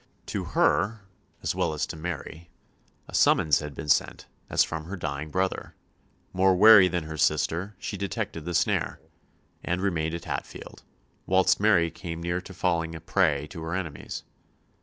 To her, as well as to Mary, a summons had been sent as from her dying brother; more wary than her sister, she detected the snare, and remained at Hatfield, whilst Mary came near to falling a prey to her enemies.